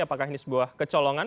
apakah ini sebuah kecolongan